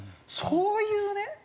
そういうね